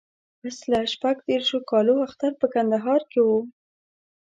پسله شپږ دیرشو کالو اختر په کندهار کې و.